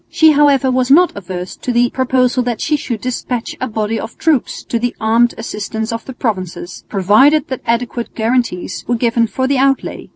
She however was not averse to the proposal that she should despatch a body of troops to the armed assistance of the provinces, provided that adequate guarantees were given for the outlay.